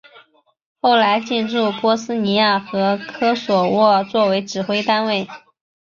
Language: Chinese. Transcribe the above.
后来进驻波斯尼亚和科索沃作为指挥单位。